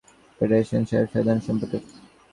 Ilira Dewan hill women's ফেডারেশনের সাবেক সাধারণ সম্পাদক।